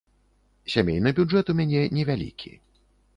Сямейны бюджэт у мяне невялікі.